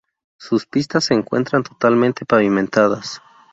Sus pistas se encuentran totalmente pavimentadas.